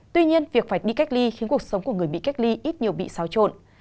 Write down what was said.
tuy nhiên việc phải đi cách ly khiến cuộc sống của người bị cách ly ít nhiều bị xáo trộn